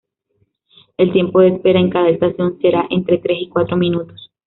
El tiempo de espera en cada estación será entre tres y cuatro minutos.